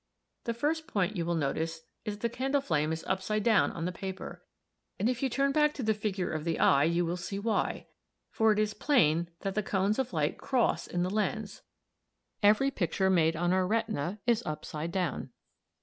The first point you will notice is that the candle flame is upside down on the paper, and if you turn back to Fig. 11 you will see why, for it is plain that the cones of light cross in the lens l, 1 going to 1´ and 2 to 2´. Every picture made on our retina is upside down.